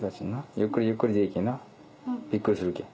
ゆっくりゆっくりでいいけんなビックリするけん。